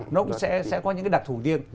nó cũng sẽ có những đặc thủ điên